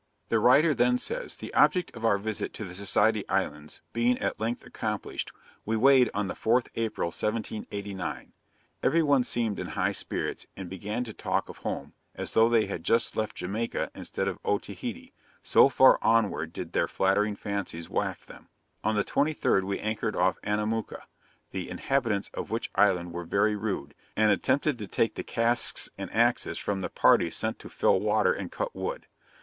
The writer then says, 'the object of our visit to the Society Islands being at length accomplished, we weighed on the 4th April, 1789. Every one seemed in high spirits, and began to talk of home, as though they had just left Jamaica instead of Otaheite, so far onward did their flattering fancies waft them. On the 23rd, we anchored off Anamooka, the inhabitants of which island were very rude, and attempted to take the casks and axes from the parties sent to fill water and cut wood.